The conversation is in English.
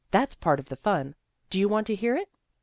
That's part of the fun. Do you want to hear it?